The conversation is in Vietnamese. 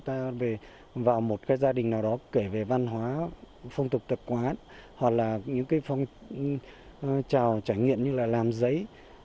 ta về vào một gia đình nào đó kể về văn hóa phong tục thực quán hoặc là những trải nghiệm như là làm giấy